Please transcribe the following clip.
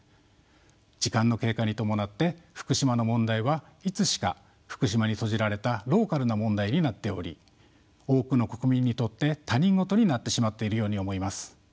時間の経過に伴って福島の問題はいつしか福島に閉じられたローカルな問題になっており多くの国民にとって他人事になってしまっているように思います。